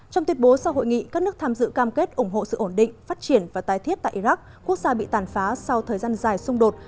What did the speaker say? trong tuyên bố sau hội nghị các nước tham dự cam kết ủng hộ sự ổn định phát triển và tái thiết tại iraq quốc gia bị tàn phá sau thời gian dài xung đột